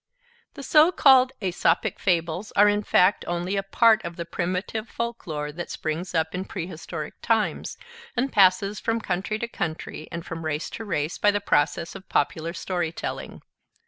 The so called Aesopic Fables are in fact only a part of the primitive folk lore, that springs up in prehistoric times, and passes from country to country and from race to race by the process of popular story telling.